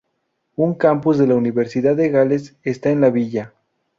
Un campus de la Universidad de Gales está en la villa.